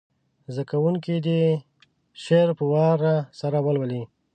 زده کوونکي دې شعر په وار سره ولولي.